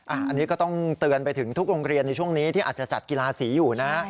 อันนี้ก็ต้องเตือนไปถึงทุกโรงเรียนในช่วงนี้ที่อาจจะจัดกีฬาสีอยู่นะ